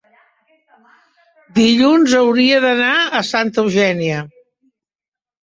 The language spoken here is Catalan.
Dilluns hauria d'anar a Santa Eugènia.